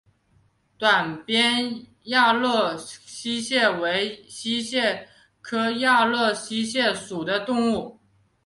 短鞭亚热溪蟹为溪蟹科亚热溪蟹属的动物。